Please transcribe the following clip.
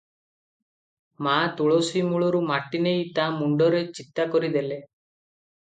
ମା ତୁଳସୀ ମୂଳରୁ ମାଟି ନେଇ ତା ମୁଣ୍ଡରେ ଚିତା କରିଦେଲେ ।